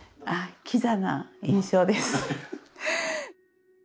キザな印象です。